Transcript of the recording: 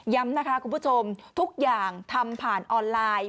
นะคะคุณผู้ชมทุกอย่างทำผ่านออนไลน์